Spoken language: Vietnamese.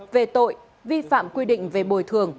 về tội vi phạm quy định về bồi thường